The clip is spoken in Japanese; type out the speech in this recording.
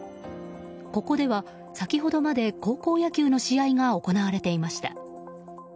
ここでは先ほどまで高校野球の試合が行われていました。